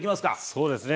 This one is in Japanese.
そうですね。